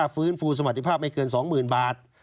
ฟื้นฟูสมรรถภาพไม่เกิน๒๐๐๐บาท